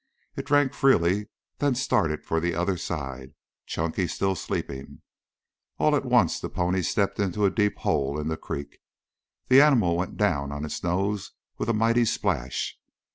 It drank freely then started for the other side, Chunky still sleeping. All at once the pony stepped into a deep hole in the creek. The animal went down on its nose with a mighty splash.